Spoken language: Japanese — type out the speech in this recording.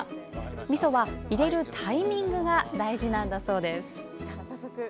みそは、入れるタイミングが大事なんだそうです。